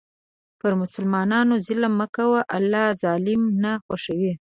پر مسلمانانو ظلم مه کوه، الله ظالمان نه خوښوي.